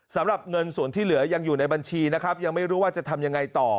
สำหรับเงินส่วนที่เหลือยังอยู่ในบัญชีนะครับยังไม่รู้ว่าจะทำยังไงต่อ